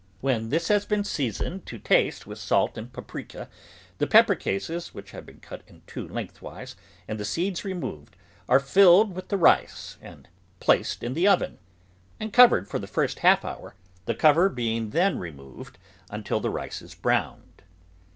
When this has THE VEGETABLE GARDEN been seasoned to taste with salt and paprika, the pepper cases, which have been cut in two length wise and the seeds removed, are filled with the rice and placed in the oven, and covered for the first half hour, the cover being then removed until the rice is browned.